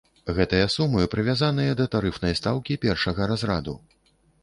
Гэтыя сумы прывязаныя да тарыфнай стаўкі першага разраду.